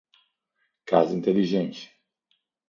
Casa inteligente.